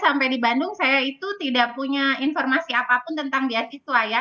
sampai di bandung saya itu tidak punya informasi apapun tentang beasiswa ya